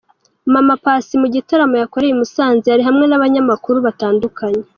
Mama Paccy mu gitaramo yakoreye i Musanze yari hamwe n'abanyamakuru batandukanye.